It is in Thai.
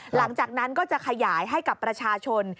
หลังจากนั้นก็จะขยายให้กับประชาชน